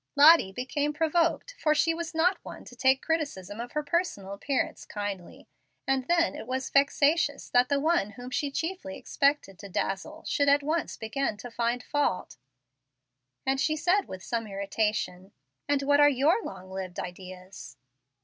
Lottie became provoked, for she was not one to take criticism of her personal appearance kindly, and then it was vexatious that the one whom she chiefly expected to dazzle should at once begin to find fault; and she said with some irritation, "And what are your long lived ideas."